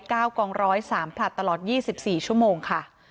ก้าวกองร้อยสามผลัดตลอด๒๔ชั่วโมงค่ะ